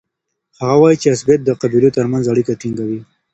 هغه وایي چي عصبيت د قبیلو ترمنځ اړیکه ټینګوي.